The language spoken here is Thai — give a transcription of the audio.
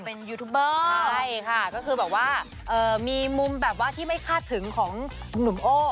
เป็นยูทูบเบอร์ใช่ค่ะก็คือแบบว่ามีมุมแบบว่าที่ไม่คาดถึงของหนุ่มโอ้